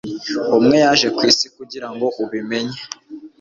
umwe yaje kwisi kugirango ubimenye